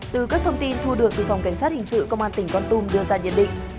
từ các thông tin thu được từ phòng cảnh sát hình sự công an tỉnh con tum đưa ra nhận định